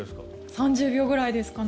３０秒ぐらいですかね。